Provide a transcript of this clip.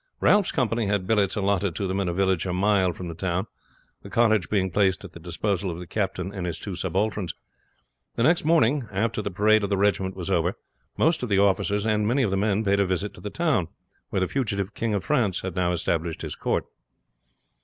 Ralph's company had billets allotted to them in a village a mile from the town, a cottage being placed at the disposal of the captain and his two subalterns. The next morning, after the parade of the regiment was over, most of the officers and many of the men paid a visit to the town, where the fugitive King of France had now established his court.